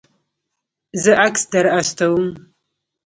زه عکس در استوم